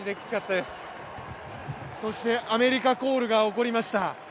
そしてアメリカコールが起こりました。